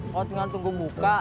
kalau tinggal tunggu buka